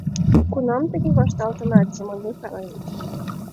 — Кунам тыге вашталтынат, Семон Михайлович?